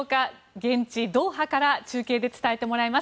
現地ドーハから中継で伝えてもらいます。